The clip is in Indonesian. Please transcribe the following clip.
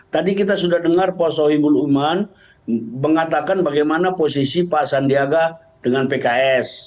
tadi kita sudah dengar pak sohibul uman mengatakan bagaimana posisi pak sandiaga dengan pks